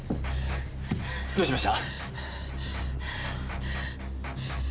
どうしました？